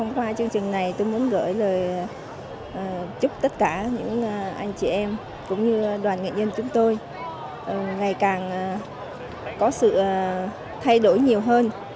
qua chương trình này tôi muốn gửi lời chúc tất cả những anh chị em cũng như đoàn nghệ nhân chúng tôi ngày càng có sự thay đổi nhiều hơn